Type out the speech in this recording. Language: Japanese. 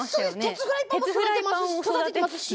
鉄フライパンも育ててますし。